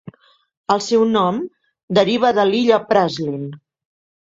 El seu nom deriva de l'illa Praslin.